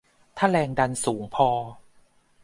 ถ้าแรงดันสูงพอ